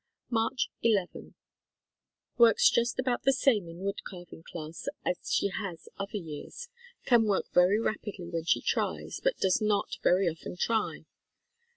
Mar. 'n. Works just about the same in wood carving class as she has other years. Can work very rapidly when she tries, but does not very often try.